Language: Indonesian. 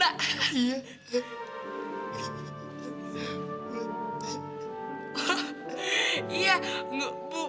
boleh engga ha